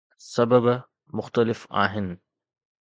سبب مختلف آهن.